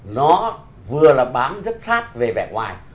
nó vừa là bám rất sát về vẻ ngoài